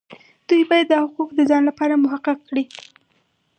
دوی باید دا حقوق د ځان لپاره محقق کړي.